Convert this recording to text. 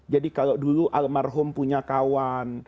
jadi kalau dulu almarhum punya kawan